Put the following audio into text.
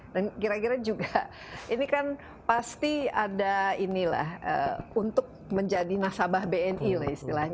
dan kira kira juga ini kan pasti ada ini lah untuk menjadi nasabah bni lah istilahnya